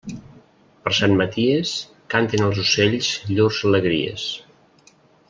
Per Sant Maties, canten els ocells llurs alegries.